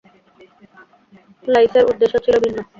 লাঈছের উদ্দেশ্য ছিল ভিন্ন।